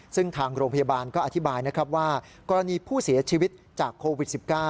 ซึ่งทางโรงพยาบาลก็อธิบายนะครับว่ากรณีผู้เสียชีวิตจากโควิด๑๙